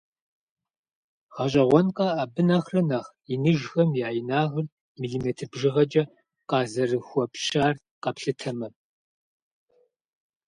ГъэщӀэгъуэнкъэ, абы нэхърэ нэхъ иныжхэм я инагъыр милиметр бжыгъэкӀэ къазэрыхуэпщар къэплъытэмэ?!